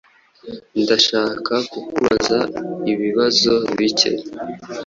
Ndashaka kukubaza ibibazo bike.